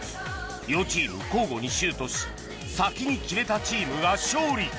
両チーム交互にシュートし先に決めたチームが勝利